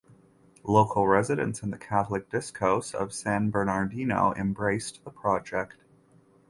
Local Residents and the Roman Catholic Diocese of San Bernardino embraced the project.